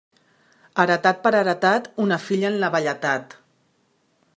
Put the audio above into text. Heretat per heretat, una filla en la velledat.